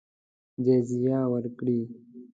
جزیه ورکړي.